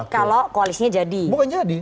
kalau koalisnya jadi bukan jadi